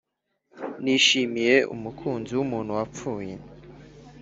nishimiye umukunzi wumuntu wapfuye,